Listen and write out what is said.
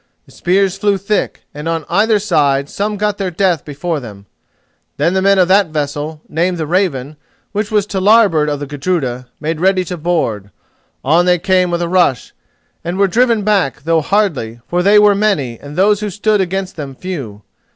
The spears flew thick, and on either side some got their death before them. Then the men of that vessel, named the Raven, which was to larboard of the Gudruda, made ready to board. On they came with a rush, and were driven back, though hardly, for they were many, and those who stood against them few.